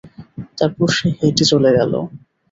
তারপর সে হেঁটে চলে গেল।